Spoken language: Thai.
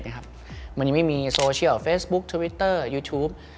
มันยังไม่มีโซเชียลเฟซบุ๊คทวิตเตอร์ยูทูป